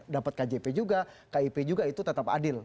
dapat kjp juga kip juga itu tetap adil